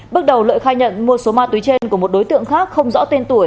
bước đầu lợi khai nhận mua số ma túy trên của một đối tượng khác không rõ tên tuổi